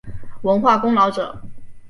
文化功劳者。